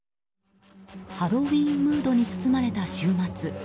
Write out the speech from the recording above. ハロウィーンムードに包まれた週末。